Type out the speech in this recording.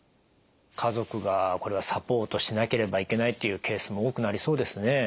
家族がこれはサポートしなければいけないっていうケースも多くなりそうですね。